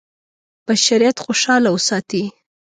بشریت خوشاله وساتي.